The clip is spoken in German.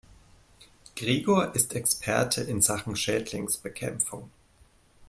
Gregor ist Experte in Sachen Schädlingsbekämpfung.